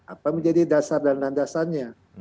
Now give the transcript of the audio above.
apa menjadi dasar dan landasannya